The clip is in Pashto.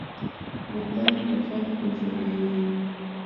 وطن په خلکو جوړېږي